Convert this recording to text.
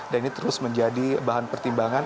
dan ini terus menjadi bahan pertimbangan